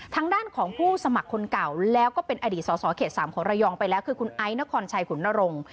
ทางด้านของผู้สมัครคนเก่าแล้วก็เป็นอดีตสอสอเขต๓ของระยองไปแล้วคือคุณไอซนครชัยขุนนรงค์